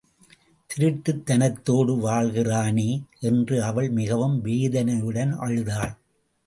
திருட்டுத் தனத்தோடு வாழ்கிறானே, என்று அவள் மிகவும் வேதனையுடன் அழுதாள்.